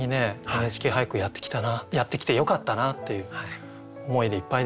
「ＮＨＫ俳句」やってきたなやってきてよかったなという思いでいっぱいですね。